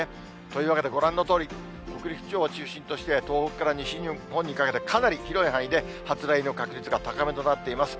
というわけでご覧のとおり、北陸地方を中心として、東北から西日本にかけて、かなり広い範囲で、発雷の確率が高めとなっています。